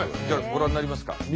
じゃあご覧になりますか？